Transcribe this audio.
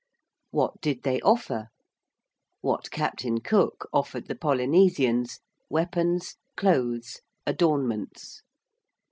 What did they offer? What Captain Cook offered the Polynesians: weapons, clothes, adornments.